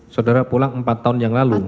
saudara pulang empat tahun yang lalu